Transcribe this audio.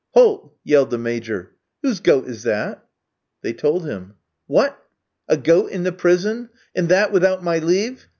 "Halt!" yelled the Major. "Whose goat is that?" They told him. "What! a goat in the prison! and that without my leave?